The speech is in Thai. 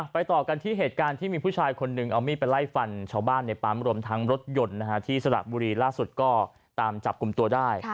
ต่อกันที่เหตุการณ์ที่มีผู้ชายคนหนึ่งเอามีดไปไล่ฟันชาวบ้านในปั๊มรวมทั้งรถยนต์ที่สระบุรีล่าสุดก็ตามจับกลุ่มตัวได้